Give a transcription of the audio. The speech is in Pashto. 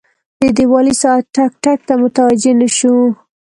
د دیوالي ساعت ټک، ټک ته متوجه نه شو.